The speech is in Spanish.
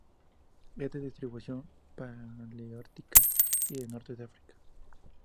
Es de distribución paleártica y del norte de África.